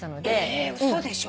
え嘘でしょ！？